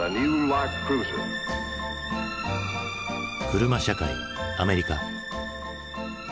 車社会アメリカ。